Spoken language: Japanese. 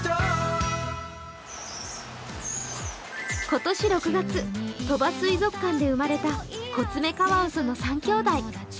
今年６月、鳥羽水族館で生まれたコツメカワウソの３きょうだい。